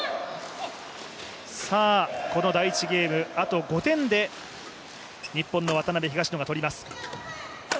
この第１ゲーム、あと５点で日本の渡辺・東野がとります。